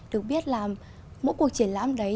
được biết là mỗi cuộc triển lãm đấy